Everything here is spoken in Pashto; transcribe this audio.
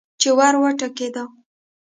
چې ور وټکېده.